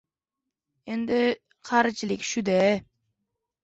Endi, qarichilik shu-da...